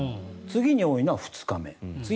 次に多いのが３日目。